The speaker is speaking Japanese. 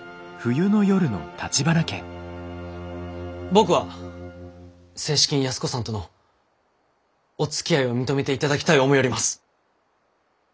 僕は正式に安子さんとのおつきあいを認めていただきたい思ようります。